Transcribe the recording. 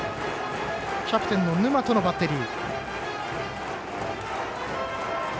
キャプテンの沼とのバッテリー。